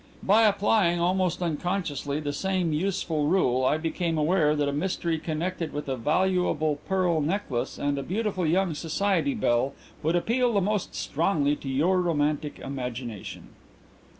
"By applying, almost unconsciously, the same useful rule, I became aware that a mystery connected with a valuable pearl necklace and a beautiful young society belle would appeal the most strongly to your romantic imagination."